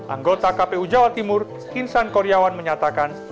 anggota kpu jawa timur insan kuryawan menyatakan